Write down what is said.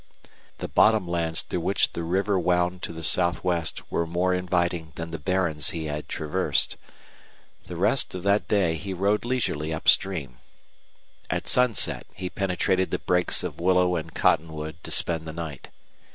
The bottom lands through which the river wound to the southwest were more inviting than the barrens he had traversed. The rest or that day he rode leisurely up stream. At sunset he penetrated the brakes of willow and cottonwood to spend the night.